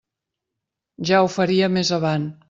Ja ho faria més avant.